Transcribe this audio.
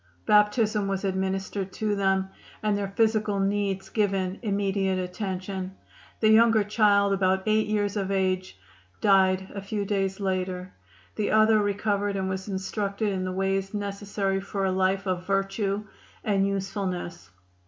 Baptism was administered to them, and their physical needs given immediate attention. The younger child, about 8 years of age, died a few days later. The other recovered and was instructed in the ways necessary for a life of virtue and usefulness.